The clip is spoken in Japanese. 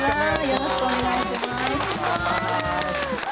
よろしくお願いします。